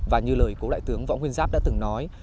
và như lời cố đại tướng võ nguyên giáp đã từng nói